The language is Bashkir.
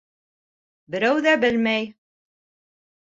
Берәү ҙә белмәй.